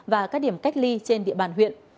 và các điểm cách ly trên địa bàn huyện